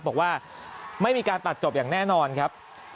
บอกว่าไม่มีการตัดจบอย่างแน่นอนครับ